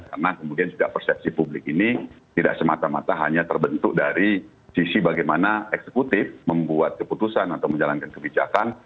karena kemudian juga persepsi publik ini tidak semata mata hanya terbentuk dari sisi bagaimana eksekutif membuat keputusan atau menjalankan kebijakan